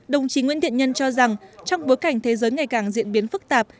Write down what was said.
đồng chí nguyễn thiện nhân cho rằng trong bối cảnh thế giới ngày càng diễn biến phức tạp